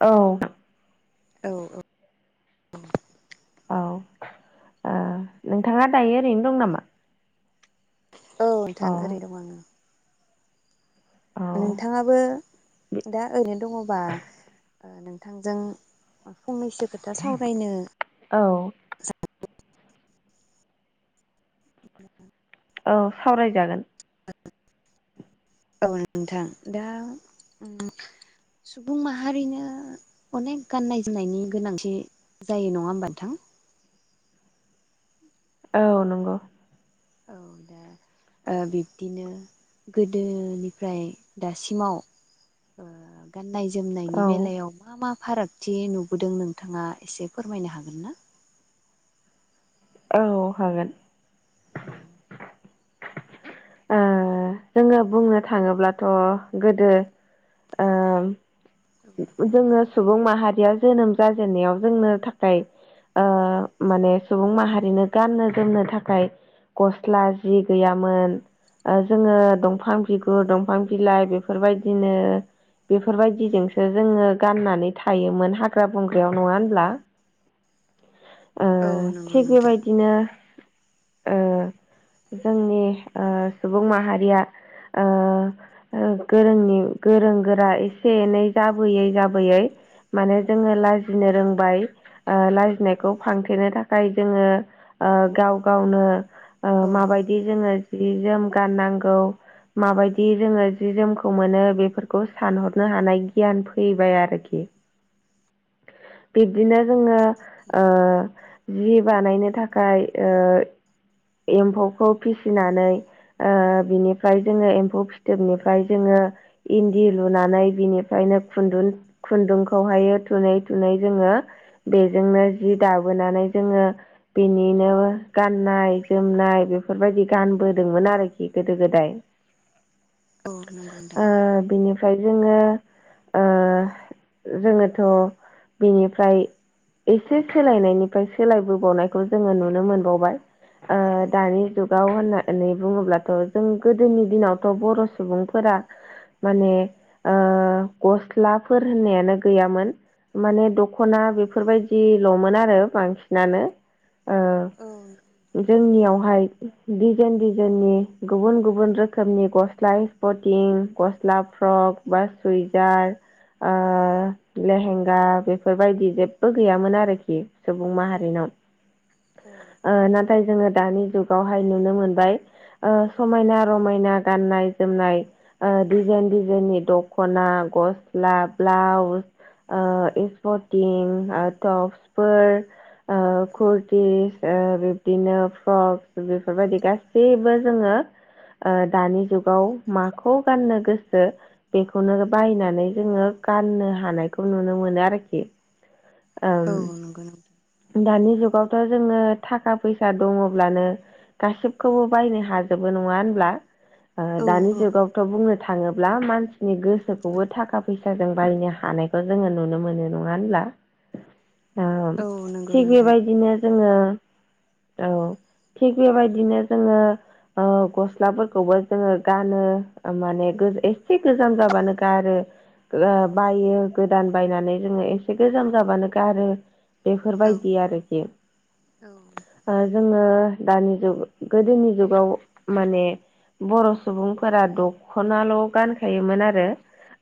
औ औ औ औ ओ नोंथाङा दायो ओरैनो दं नामा? औ नोंथां ओरै दं आङो। औ नोंथाङाबो दा ओरैनो दङबा ओ नों थांजों फंनैसो खोथा सावरायनो औ [inaudible] औ सावरायजागोन। औ नोंथां दा उम सुबुं माहारिनो अनेक गाननाय-जोमनायनि गोनांथि जायो नङा होमबा नोंथां? औ नंगौ। औ दा ओ बिब्दिनो गोदोनिफ्राय दासिमाव ओ औ गाननाय-जोमनायनि बेलायाव मा मा फारागथि नुबोदों नोंथाङा एसे फोरमायनो हागोन ना? औ हागोन। औ ओ जोङो बुंनो थाङोब्लाथ' गोदो ओ औ जोङो सुबुं माहारिया जोनोम जाजेननायाव जोंनो थाखाय ओ माने सुबुं माहारिनो गाननो-जोमनो थाखाय गस्ला जि गैयामोन। ओ जोङो दंफां बिगुर, दंफां बिलाइ बेफोरबायदिनो बेफोरबायदिजों सो जोङो गाननानै थायोमोन हाग्रा-बंग्रायाव नङा होनब्ला? ओ औ नंगौ थिग नोंथां बेबायदिनो ओ जोंनि ओ सुबुं माहारिया ओ गोरोंनि गोरोंगोरा एसे एनै जाबोयै जाबोयै माने जोङो लाजिनो रोंबाय ओ लाजिनायखौ फांथेनो थाखाय जोङो ओ गाव गावनो ओ औ माबायदि जोङो जि-जोम गाननांगौ माबायदि जोङो जि-जोमखौ मोनो बेफोरखौ सानहरनो हानाय गियान फैबाय आरोखि बिब्दिनो जोङो ओ जि बानायनो थाखाय ओ एम्फौखौ फिसिनानै ओ बिनिफ्राय जोङो एम्फौ फिथोबनिफ्राय जोङो इन्दि लुनानै बिनिफ्रायनो खुन्दुन खुन्दुंखौहायो थुुनै थुनै जोङो बेजोंनो जि औ दाबोनानै जोङो बिनिनो गाननाय जोमनाय बेफोरबायदि गानबोदोंमोन आरोखि गोदो गोदाय। औ नंगौ नोंथां। ओ बिनिफ्राय जोङो ओ जोङोथ' बिनिफ्राय एसे सोलायनायनिफ्राय सोलायबोबावनायखौ जोङो नुनो मोनबावबाय। ओ औ दानि जुगाव होनना नै बुङोब्लाथ' जों गोदोनि दिनावथ' बर' सुबुंफोरा माने ओ गस्लाफोर होननायानो गैयामोन। माने दख'ना बेफोरबायदिल'मोन आरो बांसिनानो। ओ औ जोंनियावहाय दिजेन दिजेननि गुबुन गुबुन रोखोमनि गस्ला पटिं गस्ला फ्रक बा सुइजार आ लेहेंगा बेफोरबायदि जेबबो गैयामोन आरोखि। सुबुं माहारिनाव ओ नाथाय जोङो दानि जुगावहाय नुनो मोनबाय ओ समायना रमायना गाननाय-जोमनाय डिजाइन डिजाइननि द दख'ना, ग'स्ला, ब्लाउस ओ इसपर्टिं ओ ट'प्सफोर ओ खुरटि ओ बिदिनो फ्रक बेफोरबायदि गासैबो जोङो ओ दानि जुगा व माखौ गाननो गोसो बेखौनो बायनानै जोङो गाननो हानायखौ नुनो मोनो आरोखि। नंगौ नोंथां ओम दानि जुगावथ' जोङो थाखा फैसा दङब्लानो गासिबखौबो बायनो हाजोबो नङा होनब्ला? ओ औ दानि जुगावथ' बुंनो थाङोब्ला मानसिनि गोसोखौबो थाखा फैसाजों बायनो हानायखौ जोङो नुनो मोनो नङा होनब्ला। औ नंगौ थिग नोंथां। बेबायदिनो जोङो औ थिग बेबायदिनो जोङो ओ गस्लाफोरखौबो जोङो गानो माने एसे गोजाम जाबानो गारो। ओ बायो गोदान बायनानै जोङो एसे गोजाम जाबानो गारो। औ बेफोरबायदि आरोखि। औ ओ जोङो दानि जुग गोदोनि जुगाव माने बर' सुबुंफोरा दख'नाल' गानखायोमोन आरो।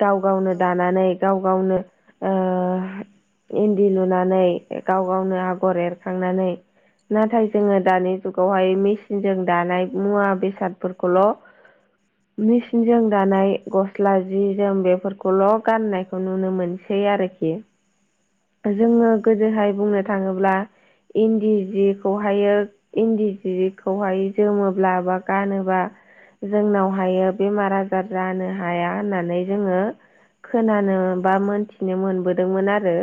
गाव- गावनो औ दानानै गाव- गावनो इन्दि लुनानै गाव गावनो आगर एरखांनानै नाथाय जोङो दानि जुगावहाय मेसिनजों दानाय मुवा बेसादफोरखौल' मेसिनजों दानाय गस्ला जि जोम बेफोरखौल' गाननायखौ नुनो मोनसै आरोखि। जोङो नंगौ नोंथां गोदोहाय बुंनो थाङोब्ला इन्दि जि खौहायो इन्दि जिखौहाय जोमोब्ला बा गानोब्ला जोंनावहायो बेमार आजार जानो हाया होननानै जोङो खोनानो बा मोनथिनो मोनबोदोंमोन आरो।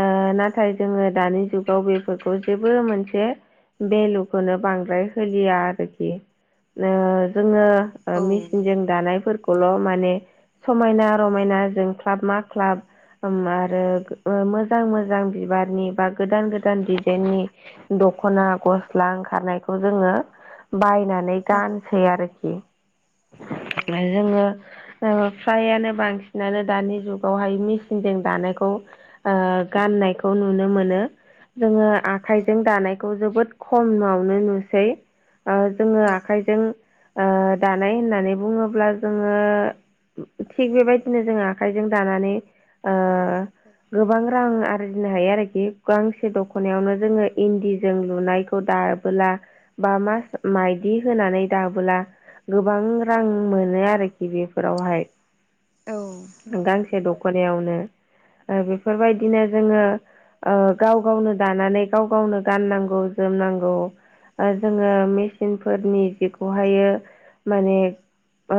ओ नंगौ। नाथाय जोङो दानि जुग आव बेफोरखौ जेबो मोनसे भेलुखौनो बांद्राय होलिया आरोखि ओ जोङो ओ औ मेसिनजों दानायफोरखौल' माने समायना रमायना जोंक्लाब माक्लाब आरो मोजां मोजां बिबारनि बा गोदान गोदान दिजाइननि दख'ना गस्ला ओंखारनायखौ जोङो बायनानै औ गानसै आरोखि। जोङो फ्रायानो बांसिनानो दानि जुगावहाय मेसिनजों दानायखौ ओ गाननायखौ नुनो मोनो। जोङो आखा इजों दानायखौ जोबोद खमावनो नुसै। जोङो औ आखाइजों ओ दानाय होननानै बुङोब्ला जोङो थिग बेबायदिनो जोङो आखाइजों दानानै ओ गोबां रां आरजिनो हायो आरोखि। गांसे दख'नायावनो जोङो इन्दिजों लुनायखौ दाबोला बा मा माइदि होनानै दाबोला गोबां रां मोनो आरोखि बेफोरावहाय। औ नंगौ गांसे नोंथां। दख खनायावनो ओ बेफोरबायदिनो जोङो ओ गाव गावनो दानानै गाव गावनो गाननांगौ-जोमनांगौ। ओ जोङो मेसिनफोरनि जिखौहायो माने ओ।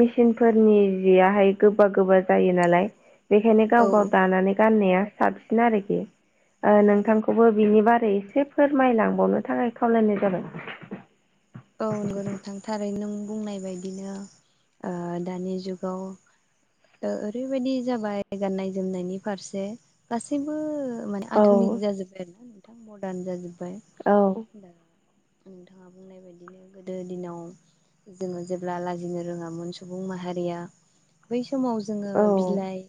मेसिनफोरनि जियाहाय गोबा गोबा जायो नालाय। बेखायनो गाव औ गाव दानानै गाननाया साबसिन आरोखि। ओ नंगौ नोंथांखौबो बिनि बारै एसे फोरमायलांबावनो थाखाय खावलायनाय जाबाय। औ नंगौ नोंथां। थारै नों बुंनाय बायदिनो ओ दानि जुगाव ओ ओरैबायदि जाबाय गाननाय-जोमनायनि फारसे गासैबो माने आधुनिक औ जाजोब्बाय आरो ना नोंथां मदार्न जाजोब्बाय। औ दा नोंथाङा बुंनाय बाय बिदिनो गोदो दिनाव जोङो जेब्ला लाजिनो रोङामोन सुबुं माहारिया बै समाव जोङो औ बिलाइ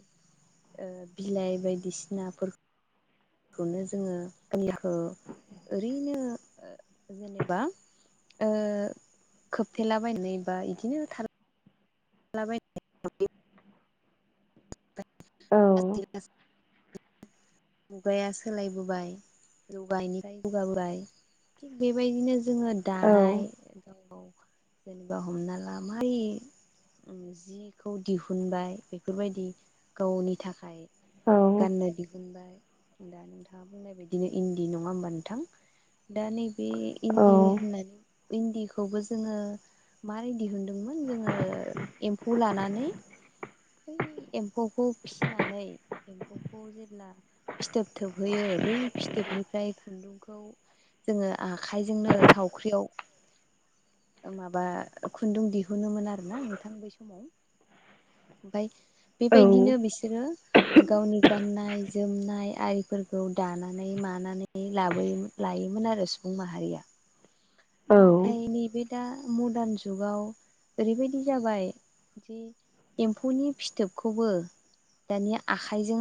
ओ बिलाइ बायदिसिनाफोर खौनो जोङो मनियाखौ ओरैनो [unintelligible] [unintelligible] जेनेबा ओ खोबथेलाबायनाय बा इदिनो था लाबाय [unintelligible] [unintelligible] औ ब [unintelligible] [unintelligible] [inaudible] मुगाया सोलायबोबाय जौगानिफ्राय जौगाबोबाय। [unintelligible] थिग बेबायदिनो जोङो औ दानाय गाव-गाव जेनेबा हमना ला माइ जिखौ दिहुनबाय बेफोरबायदि गावनि थाखाय औ गाननो दिहुनबाय। दा नोंथाङा बुंनाय बायदिनो इन्दि नङा होमबा नोंथां। दा नैबे औ इन्दि होननानै इन्दिखौबो जोङो मारै दिहुनदोंमोन जोङो एम्फौ लानानै बै एम्फौखौ फिसिनानै एम्फौखौ जेब्ला फिथोब थोबहोयो। बै फिथोबनिफ्राय खुन्दुंखौ जोङो आखाइजोंनो थावख्रियाव माबा खुन्दुं दिहुनोमोन आरो ना नोंथां बै समाव। ओमफाय बेबायदिनो बिसोरो गावनि गाननाय-जोमनाय आरि फोरखौ दानानै मानानै लाबोयोमो लायोमोन आरो सुबुं माहारिया। नाथाय नैबे दा मडार्न जुगाव ओरैबायदि जाबाय जि एम्फौनि फिथोबखौबो दानिया आखाइजों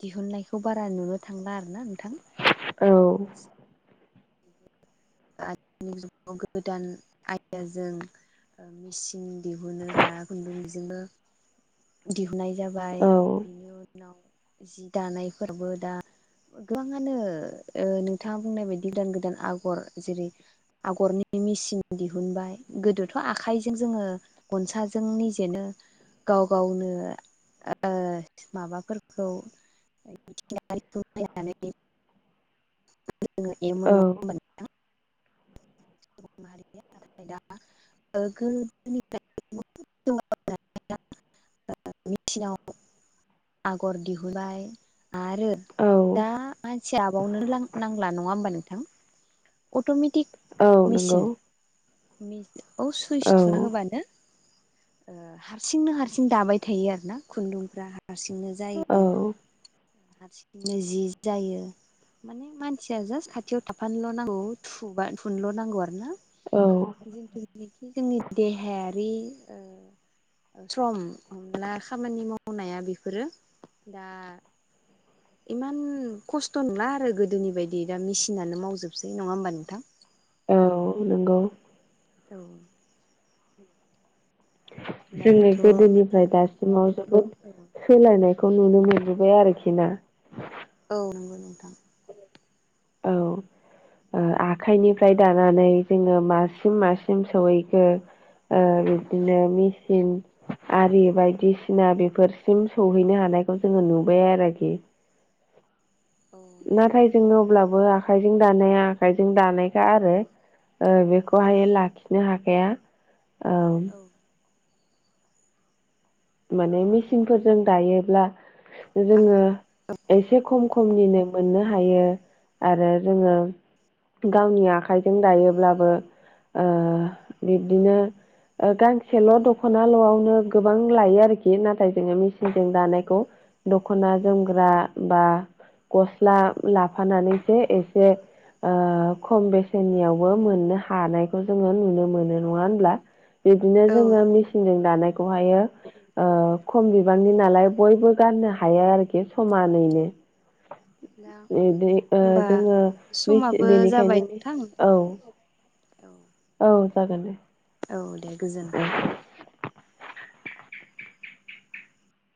दिहुननायखौ बारा नुनो थांला आरो ना नोंथां। [unintelligible] [unintelligible] दानि जुगाव गोदान आयदाजों। [unintelligible] ओ मेचिन दिहुनो दा खुन्दुंजोंनो दिहुननाय जाबाय। बिनि उनाव जि दानायफोरबो दा गोबाङानो ओ नोंथाङा बुंनाय बायदि गोदान गोदान आगर जेरै आगरनि मेचिन दिहुनबाय। गोदोथ' आखाइजों जोङो गनसाजों निजेनो गाव-गावनो ओ माबाफोरखौ नानै ए औ [unintelligible] [unintelligible] औ सुबुं माहारिनिया नाथाय दा गोोनिफ्राय [unintelligible] [unintelligible] मेचिनाव आगर दिहुनबाय आरो [unintelligible] [unintelligible] दा मानसिया आबावनो नांला नङा होमबा नोंथां अट'मेटिक औ नंगौ। मेचिन औ सुइस औ थुना होबानो ओ हारसिंनो हारसिं दाबाय थायो आरो ना खुन्दुंफ्रा हारसिंनो औ जायो हारसिंनो जि जायो। माने मानसिया जास्ट खाथियाव थाफानोल' नांगौ बा थुबा थुनोल' नांगौ आरो ना। औ जोंथ जेनिखि जोंनि देहायारि ओ सम अनला खामानि मावनाया बेफोरो दा [unintelligible] [inaudible] इमान खस्थ' नंला आरो गोदोनि बायदि दा मेसिनानो मावजोबसै नङा होमबा नोंथां? औ नोंगौ औ जोंनि दाथ' औ गोदोनिफ्राय दासिमाव जोबोद सोलायनायखौ नुनो मोनबोबाय आरोखि ना। औ नंगौ नोंथां। औ ओ आखाइनिफ्राय दानानै जोङो मासिम औ मासिम सैहैखो ओ औ बिदिनो मिसिन आरि बायदिसिना बेफोरसिम सहैनो हानायखौ जोङो नुबाय आरोखि। औ नंगौ नाथाय नोंथां जोङो नंगौ अब्लाबो आखाइजों दानाया आखाइजों दानायखा आरो ओ बेखौ बेखौहाय लाखिनो हाखाया औ। औ औ माने दा मेचिनफोरजों दायोब्ला जोङो आखाइ एसे खम खमनिनो मोननो हायो आरो जोङो गावनि आखाइजों दायोब्लाबो ओ बिब्दिनो ओ गांसेल' दख'नाल'आवनो गोबां लायो आरोखि नाथाय जोङो मेचनजों दानायखौ दख'ना जोमग्रा बा गस्ला लाफानानैसो एसे ओ खम बेसेननियावबो मोननो हानायखौ जोङो नुनो मोनो नङा होनब्ला? बिदिनो औ जोङो मेसिनजों दानायखौहायो ओ खम बिबांनि नालाय बयबो गाननो हायो आरोखि समानैनो। दा बि ओ होमबा जोङो समाबो जाबाय बेनिखायनो नोंथां औ औ औ जागोन दे। औ दे औ गोजोन्थों।